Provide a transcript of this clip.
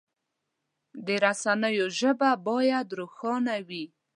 د رسنیو ژبه باید روښانه وي.